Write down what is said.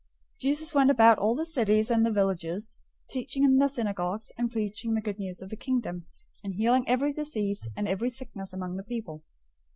009:035 Jesus went about all the cities and the villages, teaching in their synagogues, and preaching the Good News of the Kingdom, and healing every disease and every sickness among the people.